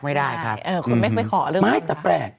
ไม่แต่แปลก